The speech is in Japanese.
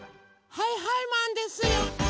はいはいマンですよ！